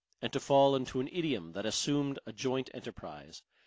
and to fall into an idiom that assumed a joint enterprise.